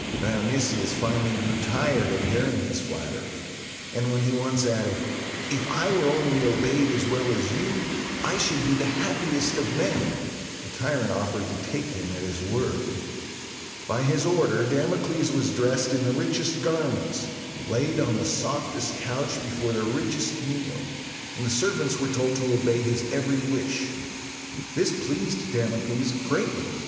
Dionysius finally grew tired of hearing his flattery; and when he once added, "If I were only obeyed as well as you, I should be the happiest of men," the tyrant offered to take him at his word. By his order, Damocles was dressed in the richest garments, laid on the softest couch before the richest meal, and the servants were told to obey his every wish. This pleased Damocles greatly.